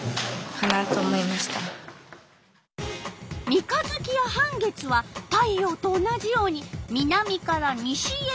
三日月や半月は太陽と同じように南から西へ行く。